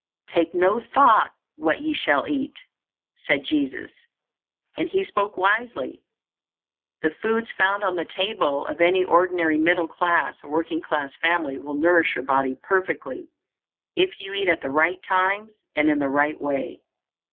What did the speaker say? "Take no thought what ye shall eat," said Jesus, and he spoke wisely. The foods found on the table of any ordinary middle class or working class family will nourish your body perfectly if you eat at the right times and in the right way.